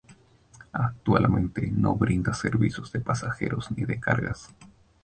Actualmente no brinda servicios de pasajeros ni de cargas.